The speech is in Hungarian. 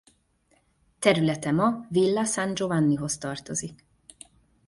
Területe ma Villa San Giovannihoz tartozik.